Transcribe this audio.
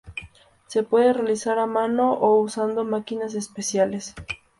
Se puede realizar a mano o usando máquinas especiales.